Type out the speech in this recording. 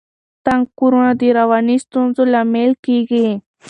تنګ کورونه د رواني ستونزو لامل کیږي.